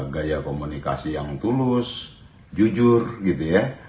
gaya komunikasi yang tulus jujur gitu ya